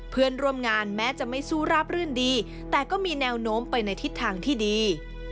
เพื่อนร่วมงานแม้จะไม่สู้ราบรื่นดีแต่ก็มีแนวโน้มไปในทิศทางที่ดี